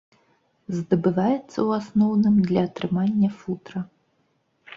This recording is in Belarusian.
Здабываецца ў асноўным для атрымання футра.